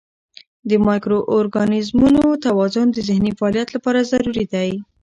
د مایکرو ارګانیزمونو توازن د ذهني فعالیت لپاره ضروري دی.